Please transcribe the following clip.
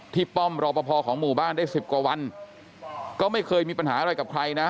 ป้อมรอปภของหมู่บ้านได้สิบกว่าวันก็ไม่เคยมีปัญหาอะไรกับใครนะ